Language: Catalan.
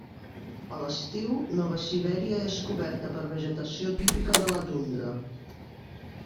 A l'estiu Nova Sibèria és coberta per vegetació típica de la tundra.